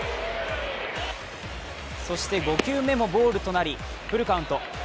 そして５球目もボールとなりフルカウント。